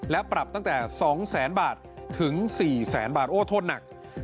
และปรับตั้งแต่๒๐๐บาท๔๐๐บาทโอ้โทษหนัก